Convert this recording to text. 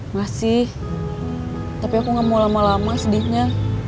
masih tapi aku gak mau lama lama sedihnya